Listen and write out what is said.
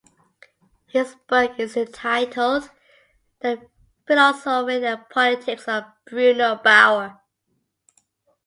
His book is entitled, "The Philosophy and Politics of Bruno Bauer".